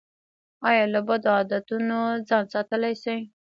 ایا له بدو عادتونو ځان ساتلی شئ؟